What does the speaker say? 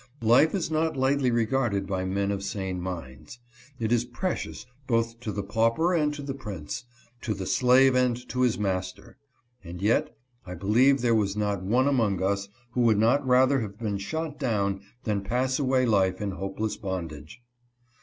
Life is not lightly regarded by men of sane minds. It is precious both to the pauper and to the prince, to the slave and to his master ; and yet I believe there was not one among us who would not rather have been shot down than pass away life in hopeless bondage.